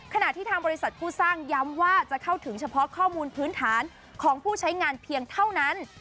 ขณะที่ทางบริษัทผู้สร้างย้ำว่าจะเข้าถึงเฉพาะข้อมูลพื้นฐานของผู้ใช้งานเพียงเท่านั้น